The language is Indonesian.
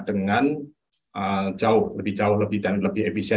dengan jauh lebih jauh lebih dan lebih efisien